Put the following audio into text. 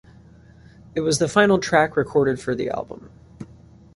It was the final track recorded for the album.